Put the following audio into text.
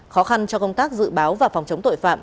khó khăn cho công tác dự báo và phòng chống tội phạm